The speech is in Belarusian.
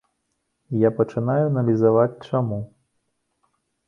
Я пачынаю аналізаваць, чаму.